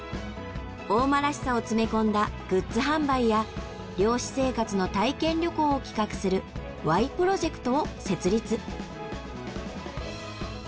大間らしさを詰め込んだグッズ販売や漁師生活の体験旅行を企画するＹプロジェクトを設立。